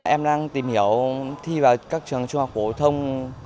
em đang tìm hiểu thi vào các trường trung học phổ thông